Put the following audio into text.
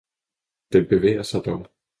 Den bevæger sig dog!